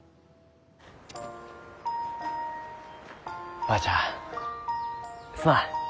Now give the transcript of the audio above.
おばあちゃんすまん。